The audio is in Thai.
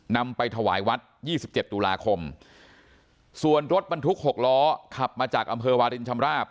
นำไปถวายวัด๒๗ตุลาคมส่วนรถบรรทุก๖ล้อขับมาจากอำเภอวาลินชำราบ